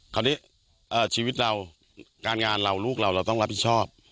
คราวนี้ชีวิตเราการงานเราลูกเราเราต้องรับผิดชอบ